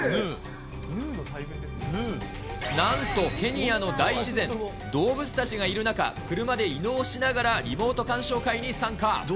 なんとケニアの大自然、動物たちがいる中、車で移動しながらリモート鑑賞会に参加。